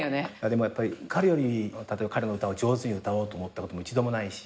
でもやっぱり彼より彼の歌を上手に歌おうと思ったこと一度もないし。